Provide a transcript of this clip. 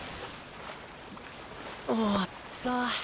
終わった。